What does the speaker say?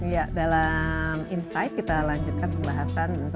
ya dalam insight kita lanjutkan pembahasan